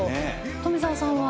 富澤さんは？